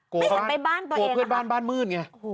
กับเพื่อนบ้านบ้านมืดไง